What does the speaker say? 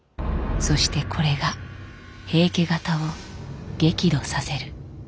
そしてこれが平家方を激怒させる。